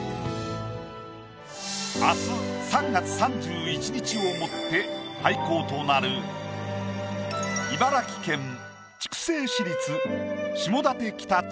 明日３月３１日をもって廃校となる茨城県筑西市立。